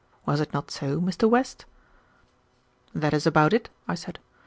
Was it not so, Mr. West?" "That is about it," I said.